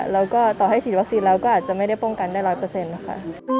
แล้วก็ต่อให้ฉีดวัคซีนแล้วก็อาจจะไม่ได้ป้องกันได้๑๐๐นะคะ